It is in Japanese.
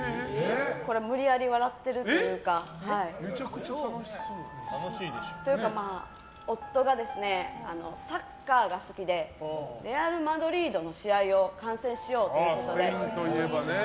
無理やり笑ってるというか。というか、夫がサッカーが好きでレアル・マドリードの試合を観戦しようということで。